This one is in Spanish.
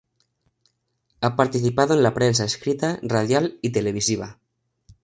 Ha participado en la prensa escrita, radial y televisiva.